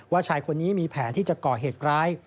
ชายคนนี้มีแผนที่จะก่อเหตุร้าย